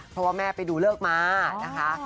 เพราะว่าแม่ไปดูเลิกมานะคะ